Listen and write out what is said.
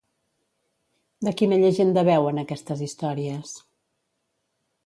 De quina llegenda beuen aquestes històries?